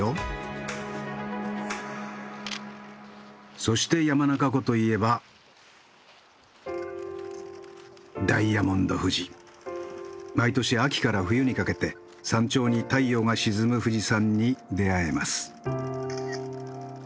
そして山中湖といえば毎年秋から冬にかけて山頂に太陽が沈む富士山に出会えます。